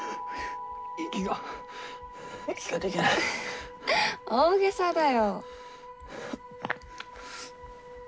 息が息ができないふふっ大げさだよ